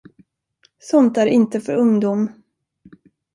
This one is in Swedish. Sånt är inte för ungdom.